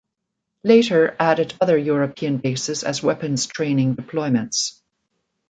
Later added other European bases as weapons training deployments.